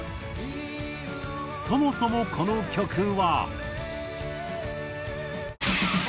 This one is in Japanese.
そもそもこの曲は。